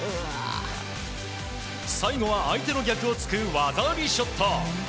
最後は相手の逆を突く技ありショット。